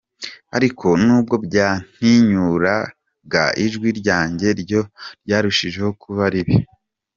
Ariko n’ubwo byantinyuraga, ijwi ryanjye ryo ryarushijeho kuba ribi.